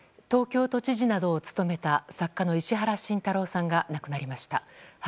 東京都知事などを務めた作家の石原慎太郎さんが亡くなりました。